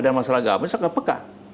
dan masalah agama itu sangat pekat